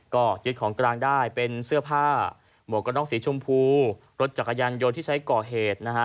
ก็ยึดของกลางได้เป็นเสื้อผ้าหมวกกระน็อกสีชมพูรถจักรยานยนต์ที่ใช้ก่อเหตุนะฮะ